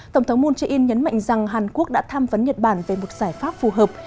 tổng thống moon jae in nhấn mạnh rằng hàn quốc đã tham vấn nhật bản về một giải pháp phù hợp